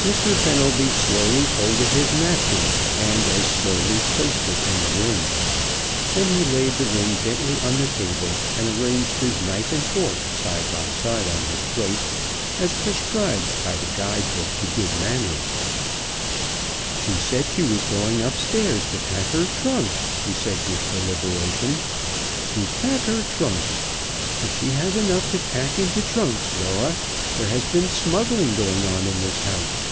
Mr. Fenelby slowly folded his napkin, and as slowly placed it in the ring. Then he laid the ring gently on the table and arranged his knife and fork side by side on his plate, as prescribed by the guide books to good manners. "She said she was going up stairs to pack her trunks," he said with deliberation. "To pack her trunks. If she has enough to pack into trunks, Laura, there has been smuggling going on in this house."